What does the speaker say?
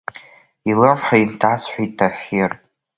Илымҳа инҭасҳәеит Таҳир.